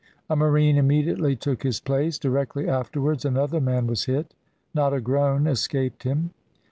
A marine immediately took his place. Directly afterwards another man was hit. Not a groan escaped him.